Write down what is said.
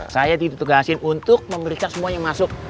saya ditugaskan untuk memberikan semuanya masuk